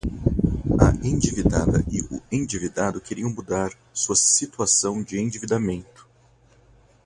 A endividada e o endividado queriam mudar sua situação de endividamento